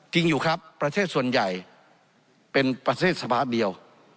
จริงอยู่ครับประเทศส่วนใหญ่เป็นประเทศสตาร์ทเดียว